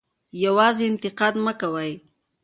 یوازې انتقاد مه کوئ.